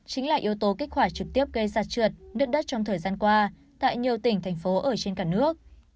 chính là yếu tố kết quả trực tiếp gây ra trượt nứt đất trong thời gian qua tại nhiều tỉnh thành phố ở trên cả nước